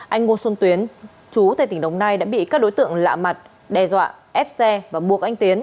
anh ngô xuân tuyến chú tây tỉnh đồng nai đã bị các đối tượng lạ mặt đe dọa ép xe và buộc anh tiến